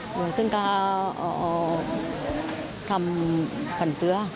ต้องการทำทันเผลอ